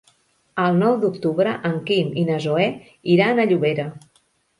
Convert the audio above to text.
El nou d'octubre en Quim i na Zoè iran a Llobera.